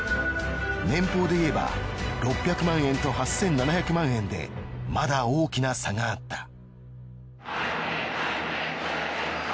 年俸でいえば６００万円と８，７００万円でまだ大きな差があった。